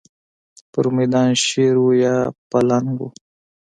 پر مېدان شېر و یا پلنګ و.